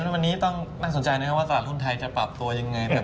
วันนี้ต้องน่าสนใจนะครับว่าตลาดหุ้นไทยจะปรับตัวยังไง